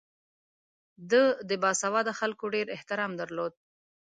ده د باسواده خلکو ډېر احترام درلود.